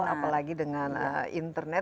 apalagi dengan internet